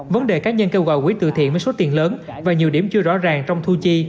vấn đề cá nhân kêu gọi quý từ thiện với số tiền lớn và nhiều điểm chưa rõ ràng trong thu chi